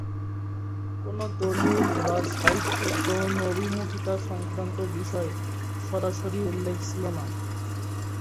কোনো দলিল এবং সাহিত্যে, যৌন অভিমুখিতা সংক্রান্ত বিষয়, সরাসরি উল্লেখ ছিল না।